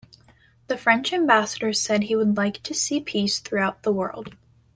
The French ambassador said he would like to see peace throughout the world.